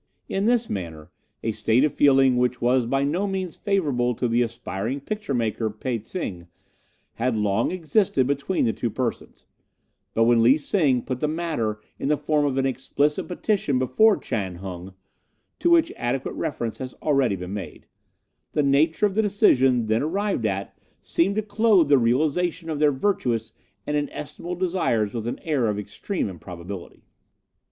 In this manner a state of feeling which was by no means favourable to the aspiring picture maker Pe tsing had long existed between the two persons; but when Lee Sing put the matter in the form of an explicit petition before Chan Hung (to which adequate reference has already been made), the nature of the decision then arrived at seemed to clothe the realization of their virtuous and estimable desires with an air of extreme improbability.